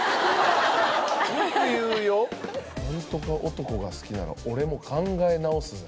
「なんとか男が好きなら俺も考えなおすぜ」。